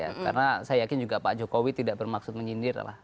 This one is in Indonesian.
karena saya yakin juga pak jokowi tidak bermaksud menyindir lah